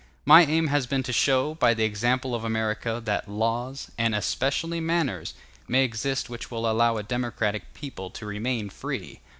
My aim has been to show, by the example of America, that laws, and especially manners, may exist which will allow a democratic people to remain free.